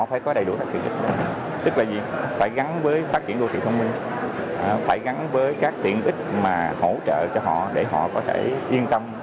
phải gắn với các tiện ích mà hỗ trợ cho họ để họ có thể yên tâm